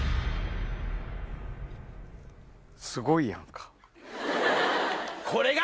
すごいやんか。